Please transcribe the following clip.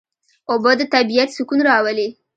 اوبه د طبیعت سکون راولي.